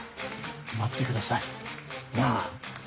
待ってください。なぁ